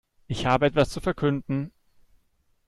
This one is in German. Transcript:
Ich habe etwas zu verkünden.